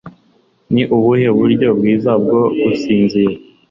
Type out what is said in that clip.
Ni ubuhe buryo bwiza bwo gusinzira?